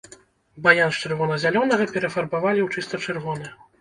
Баян з чырвона-зялёнага перафарбавалі ў чыста чырвоны.